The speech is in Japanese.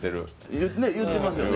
言うてますよね